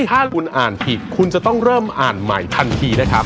ถ้าคุณอ่านผิดคุณจะต้องเริ่มอ่านใหม่ทันทีนะครับ